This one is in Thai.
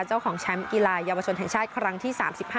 เจ้าของแชมป์กีฬาเยาวชนแห่งชาติครั้งที่๓๕